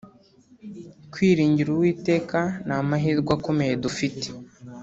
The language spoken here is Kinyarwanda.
Kwiringira Uwiteka ni amahirwe akomeye dufite